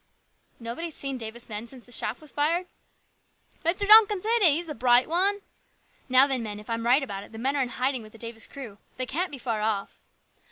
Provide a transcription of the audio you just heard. " Nobody's seen Davis men since the shaft was fired ?"" Mr. Duncan's hit it ! He's a bright one." " Now then, men, if I'm right about it, the men are in hiding with the Davis crew. They can't be far off."